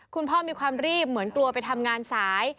คุณพ่อมีความรีบเหมือนกลัวไปทำงานสาย